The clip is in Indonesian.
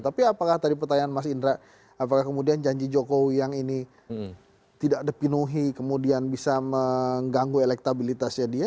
tapi apakah tadi pertanyaan mas indra apakah kemudian janji jokowi yang ini tidak dipenuhi kemudian bisa mengganggu elektabilitasnya dia